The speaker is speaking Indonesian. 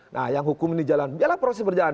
nah yang hukum ini jalan biarlah proses berjalan